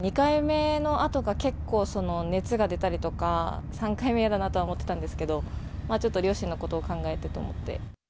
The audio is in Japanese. ２回目のあとが結構、熱が出たりとか、３回目嫌だなとは思ってたんですけど、ちょっと両親のことを考えてと思って。